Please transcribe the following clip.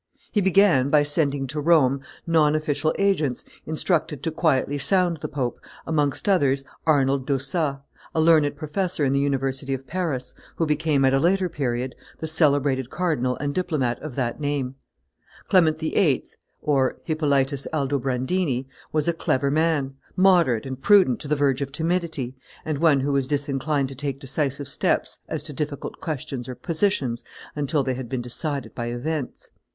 He began by sending to Rome non official agents, instructed to quietly sound the pope, amongst others Arnold d'Ossat, a learned professor in the University of Paris, who became, at a later period, the celebrated cardinal and diplomat of that name. Clement VIII. [Hippolytus Aldobrandini] was a clever man, moderate and prudent to the verge of timidity, and, one who was disinclined to take decisive steps as to difficult questions or positions until after they had been decided by events.